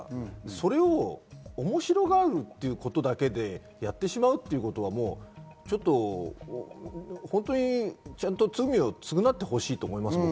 それを面白がるっていうことだけでやってしまうということは、ホントにちゃんと罪を償ってほしいと思います。